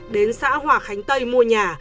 đến xã hòa khánh tây mua nhà